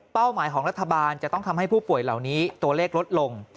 หมายของรัฐบาลจะต้องทำให้ผู้ป่วยเหล่านี้ตัวเลขลดลง